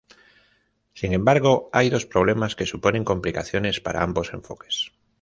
Sin embargo, hay dos problemas que suponen complicaciones para ambos enfoques.